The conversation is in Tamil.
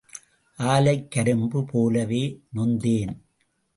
ஆலைக் கரும்பு போலவே நொந்தேன்.